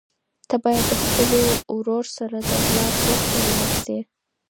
ته باید د خپل ورور سره د غلام کور ته لاړ شې.